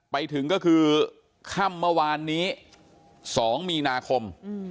ไปถึงก็คือค่ำเมื่อวานนี้๒มีนาคม